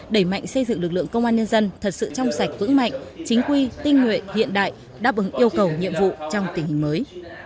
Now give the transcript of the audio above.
đẩy mạnh xây dựng lực lượng công an nhân dân thật sự trong sạch vững mạnh chính quy tinh nguyện hiện đại đáp ứng yêu cầu nhiệm vụ trong tình hình mới